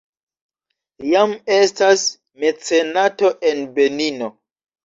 Jam estas mecenato en Benino.